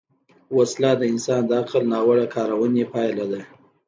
وسله د انسان د عقل ناوړه کارونې پایله ده